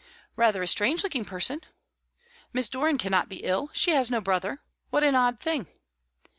"Rather a strange looking person." "Miss Doran cannot be ill. She has no brother. What an odd thing!"